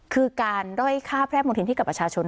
คือการด้อยฆ่าแพรกมณฑินให้กับประชาชน